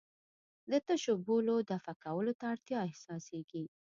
د تشو بولو دفع کولو ته اړتیا احساسېږي.